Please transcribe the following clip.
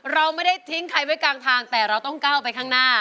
เราไม่ได้ทิ้งใครไว้กลางทางแต่เราต้องก้าวไปข้างหน้า